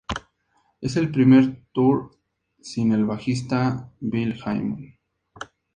Es el primer tour sin el bajista Bill Wyman.